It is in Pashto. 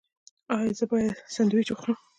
ایا زه باید سنډویچ وخورم؟